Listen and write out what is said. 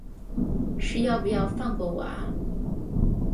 是要不要放过我啊